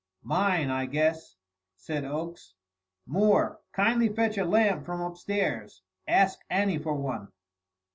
"Mine, I guess," said Oakes. "Moore, kindly fetch a lamp from upstairs. Ask Annie for one."